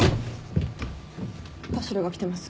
田代が来てます。